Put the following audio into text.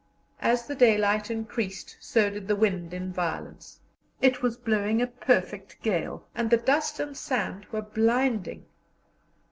As the daylight increased so did the wind in violence; it was blowing a perfect gale, and the dust and sand were blinding.